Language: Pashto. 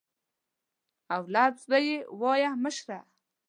او لفظ به یې وایه مشره.